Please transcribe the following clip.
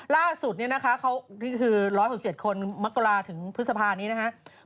ล่าสุด๑๖๗คนมรรกกราถึงพฤษภานะครับ